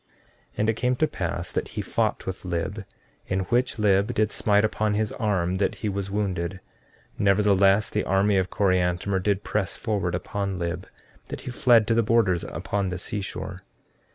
14:12 And it came to pass that he fought with Lib, in which Lib did smite upon his arm that he was wounded; nevertheless, the army of Coriantumr did press forward upon Lib, that he fled to the borders upon the seashore.